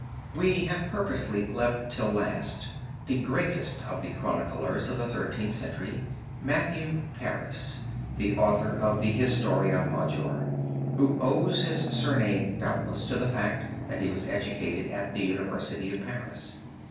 We have purposely left till last, the greatest of the chroniclers of the Thirteenth Century, Matthew Paris, the Author of the Historia Major, who owes his surname doubtless to the fact that he was educated at the University of Paris.